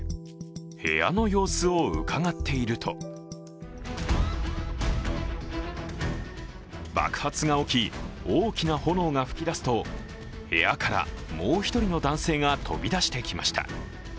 部屋の様子をうかがっていると爆発が起き、大きな炎が噴き出すと部屋からもう一人の男性が飛び出してきました。